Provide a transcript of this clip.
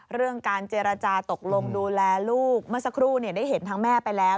เรื่องการเจรจาตกลงดูแลลูกเมื่อสักครู่ได้เห็นทั้งแม่ไปแล้ว